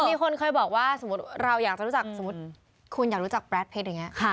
มีคนเคยบอกว่าสมมุติเราอยากจะรู้จักสมมุติคุณอยากรู้จักแรดเพชรอย่างนี้